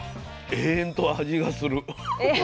永遠と味がする。